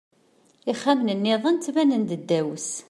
Ixxamen-nniḍen ttbanen-d ddaw-s.